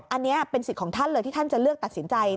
อันนี้เป็นสิทธิ์ของท่านเลยที่ท่านจะเลือกตัดสินใจ